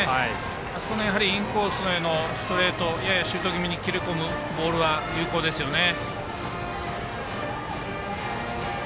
あそこのインコースへのストレートややシュートぎみに切れ込むボールは有効ですよね。